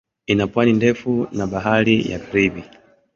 Ina pwani ndefu na Bahari ya Karibi.